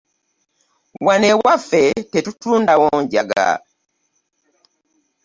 Wano ewaffe tetutundawo njaga.